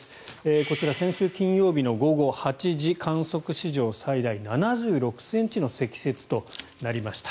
こちら、先週金曜日の午後８時観測史上最大７６ｃｍの積雪となりました。